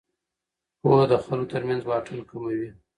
پوهه د خلکو ترمنځ واټن کموي.